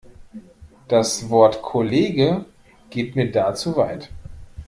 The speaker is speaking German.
Das Wort Kollege geht mir da zu weit.